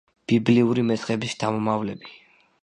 ბიბლიური მესხების შთამომავლები.